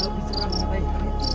lebih serangnya baik hari itu